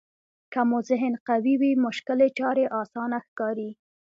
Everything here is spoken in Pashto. که مو ذهن قوي وي مشکلې چارې اسانه ښکاري.